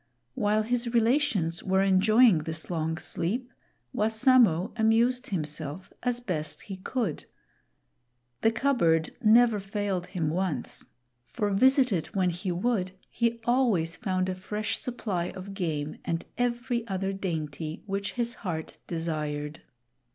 While his relations were enjoying this long sleep, Wassamo amused himself as best he could. The cupboard never failed him once; for visit it when he i would, he always found a fresh supply of game and every other dainty which his heart desired.